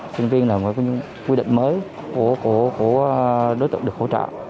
sinh viên là quy định mới của đối tượng được hỗ trợ